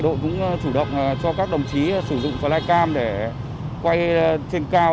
đội cũng chủ động cho các đồng chí sử dụng flycam để quay trên cao